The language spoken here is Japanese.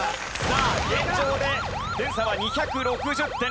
さあ現状で点差は２６０点。